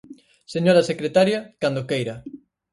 Señora secretaria, cando queira.